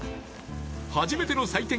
初めての採点